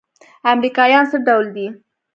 امريکايان څه ډول دي؟